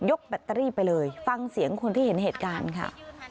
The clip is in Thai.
แบตเตอรี่ไปเลยฟังเสียงคนที่เห็นเหตุการณ์ค่ะ